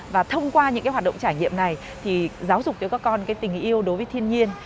và thông qua những cái hoạt động trải nghiệm này thì giáo dục cho các con cái tình yêu đối với thiên nhiên